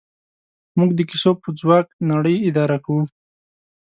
موږ د کیسو په ځواک نړۍ اداره کوو.